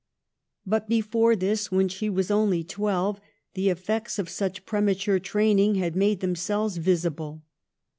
But before this, when she was only twelve, the effects of such premature training had made themselves visible.